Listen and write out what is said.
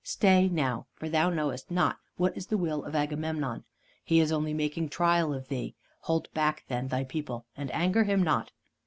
Stay, now, for thou knowest not what is the will of Agamemnon. He is only making trial of thee. Hold back then thy people, and anger him not."